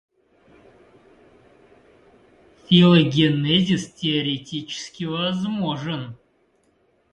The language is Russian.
Филогенез теоретически возможен.